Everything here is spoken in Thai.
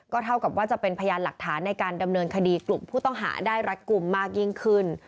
เท่ากับว่าจะเป็นพยานหลักฐานในการดำเนินคดีกลุ่มผู้ต้องหาได้รัดกลุ่มมากยิ่งขึ้น